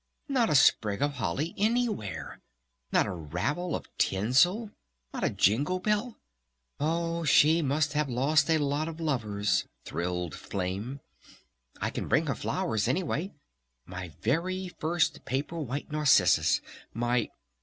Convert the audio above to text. Not a sprig of holly anywhere! Not a ravel of tinsel! Not a jingle bell!... Oh she must have lost a lot of lovers," thrilled Flame. "I can bring her flowers, anyway! My very first Paper White Narcissus! My